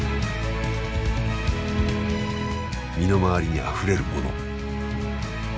身の回りにあふれるもの。